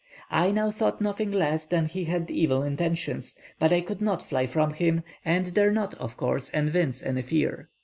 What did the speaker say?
I now thought nothing less than that he had evil intentions, but I could not fly from him, and dare not, of course, evince any fear.